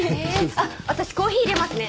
あっ私コーヒーいれますね。